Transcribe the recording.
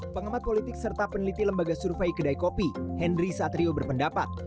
pengamat politik serta peneliti lembaga survei kedai kopi henry satrio berpendapat